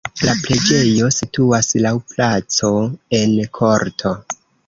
La preĝejo situas laŭ placo en korto.